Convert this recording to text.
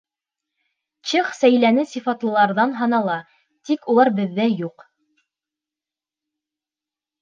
Чех сәйләне сифатлыларҙан һанала, тик улар беҙҙә юҡ.